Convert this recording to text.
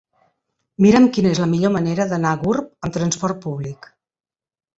Mira'm quina és la millor manera d'anar a Gurb amb trasport públic.